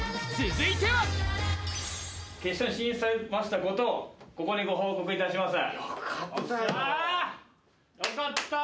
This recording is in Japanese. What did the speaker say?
決勝に進出しましたことをここにご報告いたします。